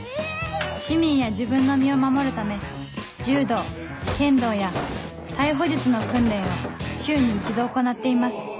市民や自分の身を守るため柔道剣道や逮捕術の訓練を週に１度行っています